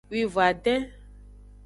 Wivon-aden.